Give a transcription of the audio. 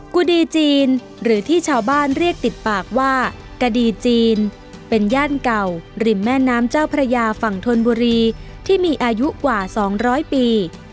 กุดีจีนหรือที่ชาวบ้านเรียกติดปากว่ากดีจีนเป็นย่านเก่าริมแม่น้ำเจ้าพระยาฝั่งธนบุรีที่มีอายุกว่า๒๐๐ปี